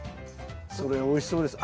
それおいしそうです。